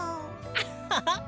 アッハハ！